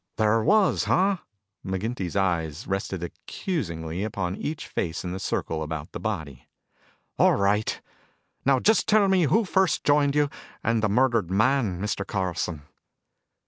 "There was, huh?" McGinty's eyes rested accusingly upon each face in the circle about the body. "All right. Now just tell me who first joined you and the murdered man, Mr. Carlson."